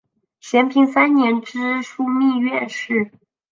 咸平三年知枢密院事。